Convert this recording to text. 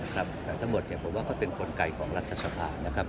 แต่ทั้งหมดพอเป็นบนไก่ของรัฐสภาพ